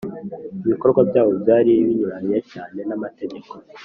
ibikorwa byabo byari binyuranye cyane n’amategeko